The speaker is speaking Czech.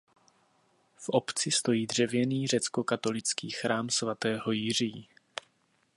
V obci stojí dřevěný řeckokatolický chrám svatého Jiří.